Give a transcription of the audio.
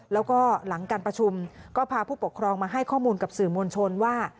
แล้วก็หลังการประชุมก็พาผู้ปกครองมาให้ข้อมูลกับสื่อมวลชนว่า